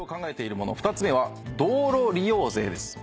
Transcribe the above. ２つ目は道路利用税です。